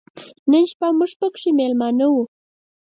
نن شپه موږ پکې مېلمانه و.